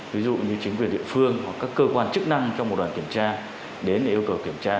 ví dụ như chính quyền địa phương hoặc các cơ quan chức năng trong một đoàn kiểm tra đến để yêu cầu kiểm tra